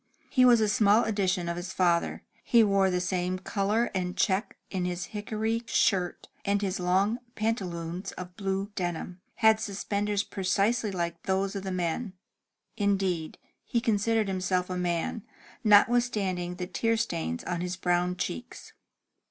He was a small edition of his father. He wore the same color and check in his hickory shirt, and his long pantaloons of blue denim, had suspenders precisely like those of the men. Indeed, he considered himself a man, notwithstanding the tear stains on his brown cheeks.